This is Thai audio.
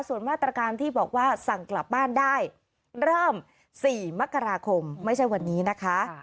ส่วนมาตรการที่บอกว่าสั่งกลับบ้านได้เริ่ม๔มกราคมไม่ใช่วันนี้นะคะ